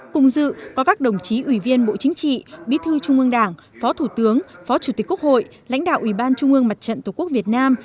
cùng dự có các đồng chí ủy viên bộ chính trị bí thư trung ương đảng phó thủ tướng phó chủ tịch quốc hội lãnh đạo ủy ban trung ương mặt trận tổ quốc việt nam